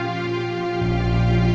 kau mau ngapain